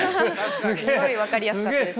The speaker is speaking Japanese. すごい分かりやすかったです。